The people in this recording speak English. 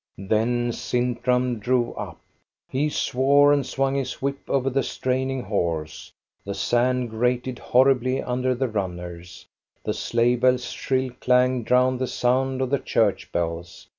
Then Sintram drove up. He swore and swung his whip over the straining horse. The sand grated horribly under the runners, the sleigh bells* shrill clang drowned the sound of the church bells.